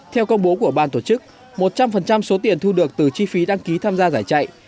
theo công bố của ban tổ chức một trăm linh số tiền thu được từ chi phí đăng ký tham gia giải chạy